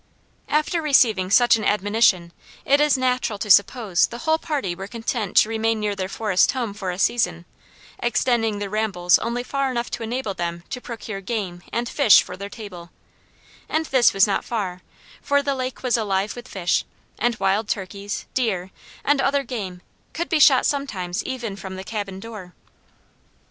After receiving such an admonition it is natural to suppose the whole party were content to remain near their forest home for a season, extending their rambles only far enough to enable them to procure game and fish for their table; and this was not far, for the lake was alive with fish; and wild turkeys, deer, and other game could be shot sometimes even from the cabin door.